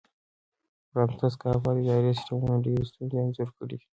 فرانتس کافکا د اداري سیسټمونو ډېرې ستونزې انځور کړې دي.